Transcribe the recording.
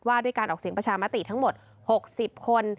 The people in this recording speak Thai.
ด้วยการออกเสียงประชามติทั้งหมด๖๐คน